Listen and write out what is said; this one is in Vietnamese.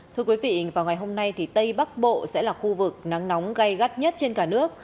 thưa quý vị vào ngày hôm nay thì tây bắc bộ sẽ là khu vực nắng nóng gây gắt nhất trên cả nước